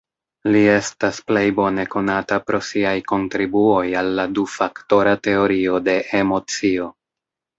Li estas plej bone konata pro siaj kontribuoj al la du-faktora teorio de emocio.